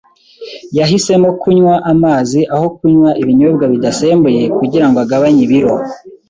Yahisemo kunywa amazi aho kunywa ibinyobwa bidasembuye kugirango agabanye ibiro.